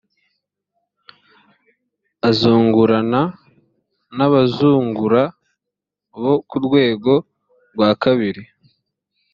azungurana n abazungura bo ku rwego rwa kabiri